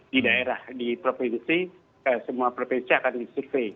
di daerah di provinsi semua provinsi akan disukai